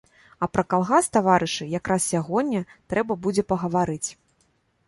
А пра калгас, таварышы, якраз сягоння трэба будзе пагаварыць.